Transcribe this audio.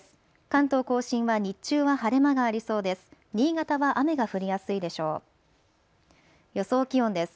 関東甲信は日中は晴れ間がありそうです。